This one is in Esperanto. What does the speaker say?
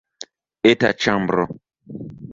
Eta ĉambro.